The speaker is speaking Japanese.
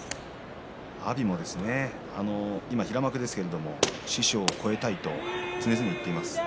阿炎も今、平幕ですけれど師匠を越えたいと常々言っています。